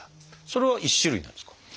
それは１種類なんですか？